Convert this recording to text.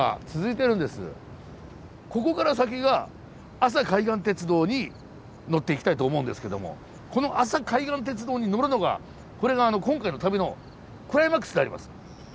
ここから先が阿佐海岸鉄道に乗っていきたいと思うんですけどもこの阿佐海岸鉄道に乗るのがこれが今回の旅のクライマックスであります。